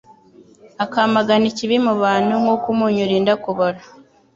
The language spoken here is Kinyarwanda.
akamagana ikibi mu bantu nk'uko umunyu urinda kubora.